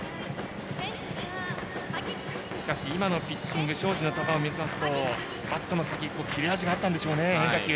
しかし今のピッチング庄司の球を見ますとバットの先、切れ味があったんでしょうね、変化球。